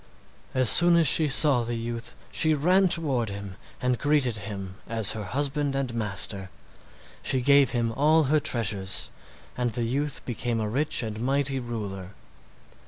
As soon as she saw the youth she ran toward him and greeted him as her husband and master. She gave him all her treasures, and the youth became a rich and mighty ruler.